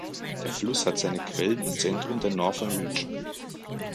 Der Fluss hat seine Quellen im Zentrum der Northern Region.